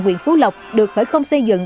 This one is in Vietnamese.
huyện phú lộc được khởi công xây dựng